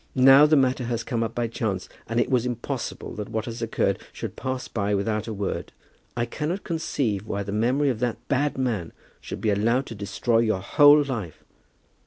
Now the matter has come up by chance, and it was impossible that what has occurred should pass by without a word. I cannot conceive why the memory of that bad man should be allowed to destroy your whole life."